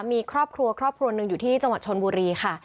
มีครอบครัวครอบครัวหนึ่งอยู่ที่จังหวัดชนบุรีค่ะ